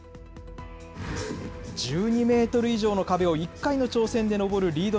１２メートル以上の壁を１回の挑戦で登るリード